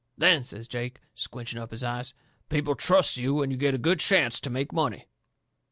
Then," says Jake, squinching up his eyes, "people trusts you and you get a good chancet to make money.